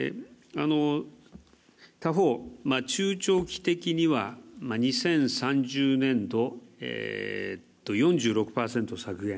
他方、中長期的には２０３０年度、４６％削減。